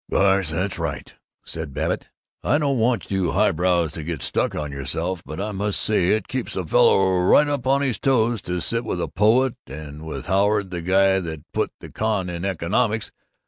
"Gosh, that's right," said Babbitt. "I don't want you highbrows to get stuck on yourselves but I must say it keeps a fellow right up on his toes to sit in with a poet and with Howard, the guy that put the con in economics!